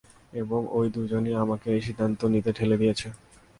এবং ওই দুইজনই আমাকে এই সিদ্ধান্ত নিতে ঠেলে দিয়েছে।